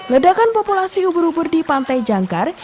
ledakan populasi ubur ubur di pantai jangkar